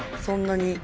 そんなに。